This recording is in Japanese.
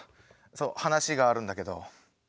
そう話があるんだけど。